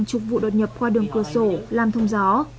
thực hiện hàng chục vụ đột nhập qua đường cửa sổ làm thông gió